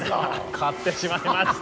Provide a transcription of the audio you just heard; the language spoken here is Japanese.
買ってしまいました。